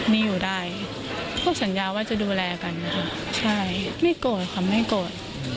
มีอยู่ได้ก็สัญญาว่าจะดูแลกันนะคะใช่ไม่โกรธค่ะไม่โกรธ